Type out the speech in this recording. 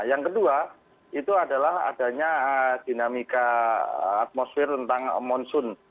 yang kedua itu adalah adanya dinamika atmosfer tentang monsoon